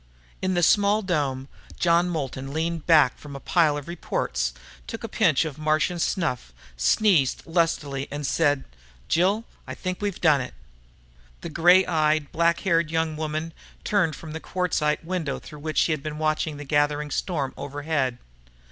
In the small dome, John Moulton leaned back from a pile of reports, took a pinch of Martian snuff, sneezed lustily, and said. "Jill, I think we've done it." The grey eyed, black haired young woman turned from the quartzite window through which she had been watching the gathering storm overhead.